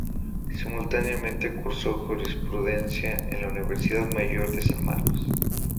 Simultáneamente cursó Jurisprudencia en la Universidad Mayor de San Marcos.